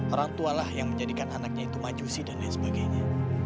orang tualah yang menjadikan anaknya itu majusi dan lain sebagainya